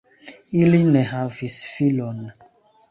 Ili ne havis filon.